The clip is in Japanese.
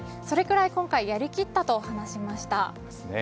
それくらい今回やりきったと話しました。